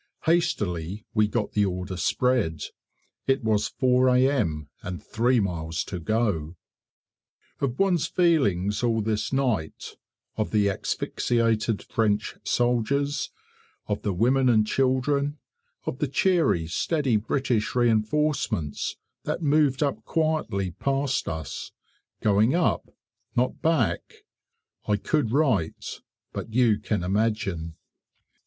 Hastily we got the order spread; it was 4 A.M. and three miles to go. Of one's feelings all this night of the asphyxiated French soldiers of the women and children of the cheery, steady British reinforcements that moved up quietly past us, going up, not back I could write, but you can imagine.